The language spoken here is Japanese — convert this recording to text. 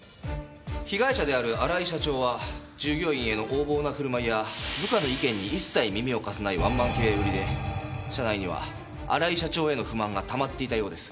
被害者である荒井社長は従業員への横暴な振る舞いや部下の意見に一切耳を貸さないワンマン経営ぶりで社内には荒井社長への不満がたまっていたようです。